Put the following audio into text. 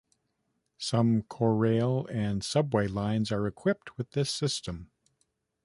Some Korail and subway lines are equipped with this system.